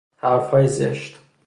حرفهای زشت